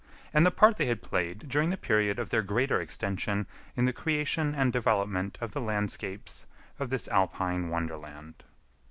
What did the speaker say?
and the part they had played during the period of their greater extension in the creation and development of the landscapes of this alpine wonderland.